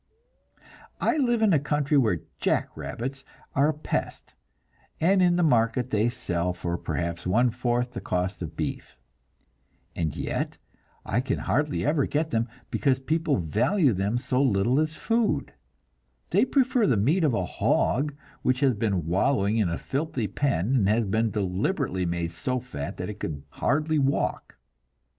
I live in a country where jack rabbits are a pest, and in the market they sell for perhaps one fourth the cost of beef, and yet I can hardly ever get them, because people value them so little as food; they prefer the meat of a hog which has been wallowing in a filthy pen, and has been deliberately made so fat that it could hardly walk!